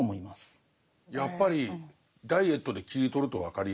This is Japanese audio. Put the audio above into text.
やっぱりダイエットで切り取ると分かりやすい。